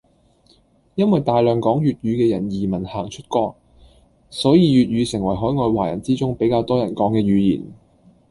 因為大量講粵語嘅人移民行出國，所以粵語成為海外華人之中比較多人講嘅語言